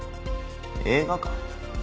映画館？